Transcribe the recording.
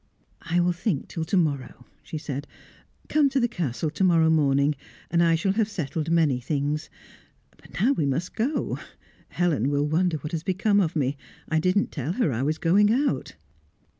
"I will think till to morrow," she said. "Come to the Castle to morrow morning, and I shall have settled many things. But now we must go; Helen will wonder what has become of me; I didn't tell her I was going out."